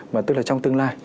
mà tức là trong tương lai